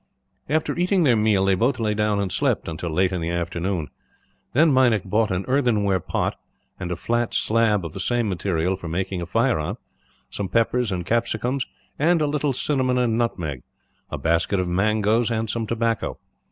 After eating their meal, they both lay down and slept until late in the afternoon. Then Meinik bought an earthenware pot, and a flat slab of the same material for making a fire on; some peppers and capsicums, and a little cinnamon and nutmeg; a basket of mangoes, and some tobacco.